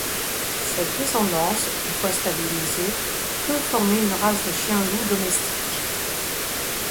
Cette descendance, une fois stabilisée peut former une race de chien-loup domestique.